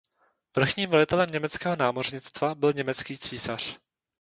Vrchním velitelem německého námořnictva byl německý císař.